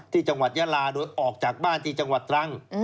ที่จังหวัดยาลาโดยออกจากบ้านที่จังหวัดตรัง